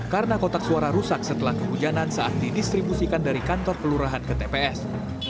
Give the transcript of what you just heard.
karena kotak suara rusak setelah kehujanan saat didistribusikan dari kantor kelurahan ke tps